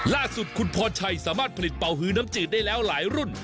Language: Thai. ล่าสุดคุณพรชัยสามารถผลิตเป่าฮือน้ำจืดได้แล้วหลายรุ่น